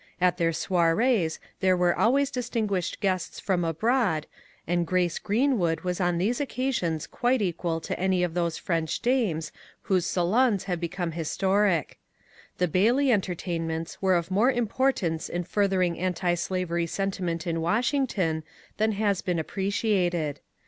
At their soirees there were always distinguished guests from abroad, and *^ Grace Greenwood " was on these occasions quite equal to any of those French dames whose salons have become his toric. The Bailey entertainments were of more importance in furthering antislavery sentiment in Washington than has been appreciated.